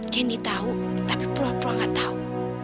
kenny tau tapi prua prua gak tau